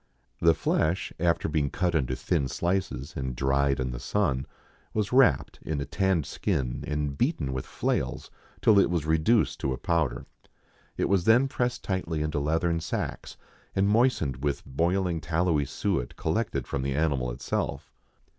The flesh, after being cut into thin sHces and dried in the sun, was wrapped in a tanned skin^ and beaten with flails till it was reduced to a powder. It was then pressed tightly into leathern sacks, and moistened with boiling tallowy suet collected from the animal itself.